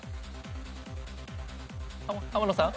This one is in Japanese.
浜野さん？